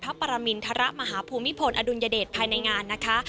ปรมินทรมาฮภูมิพลอดุลยเดชภายในงานนะคะ